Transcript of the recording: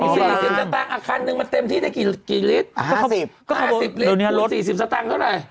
๔๐สตางค์อักคันหนึ่งมันเต็มที่ได้กี่ลิตร๕๐สตางค์เท่าไหร่